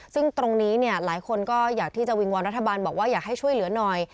ซึ่งตรงนี้เนี่ยหลายคนก็อยากที่จะวิงวอนรัฐบาลบอกว่าอยากให้ช่วยเหลือหน่อย